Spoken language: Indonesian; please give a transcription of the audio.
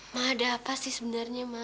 ma ada apa sih sebenarnya ma